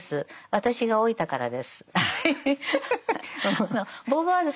私が老いたからです。